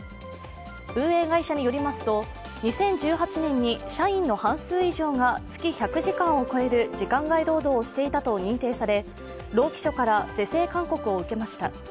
運営会社によりますと、２０１８年に社員の半数以上が月１００時間を超える時間外労働をしていたと認定され労基署から是正勧告を受けました。